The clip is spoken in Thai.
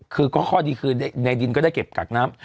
คือก็ข้อดีคือในดินก็ได้เก็บกักน้ำ